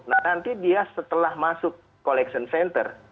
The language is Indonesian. nah nanti dia setelah masuk collection center